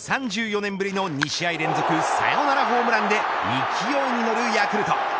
３４年ぶりの２試合連続サヨナラホームランで勢いに乗るヤクルト。